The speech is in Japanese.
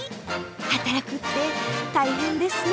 働くって大変ですね。